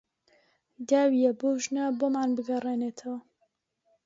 داویە بەو ژنە بۆمان بگەڕێنێتەوە